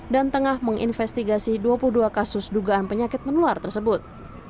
dan tengah menginvestigasi dua puluh dua kasus dugaan penyakit menular tersebut